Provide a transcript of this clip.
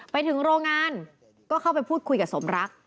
ไปถึงโรงงานก็เข้าไปพูดคุยกับสมรัก